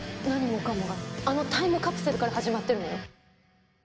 何もかもがあのタイムカプセルから始まってるのよ。